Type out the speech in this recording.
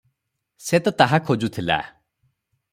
ସେ ତ ତାହା ଖୋଜୁଥିଲା ।